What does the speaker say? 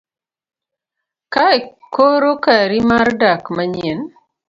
kae koro kari mar dak manyien